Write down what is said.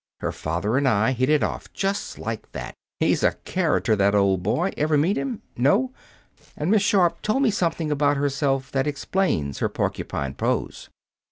Her father and I hit it off just like that. He's a character, that old boy. Ever meet him? No? And Miss Sharp told me something about herself that explains her porcupine pose.